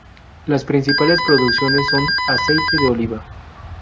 Las principales producciones son aceite de oliva.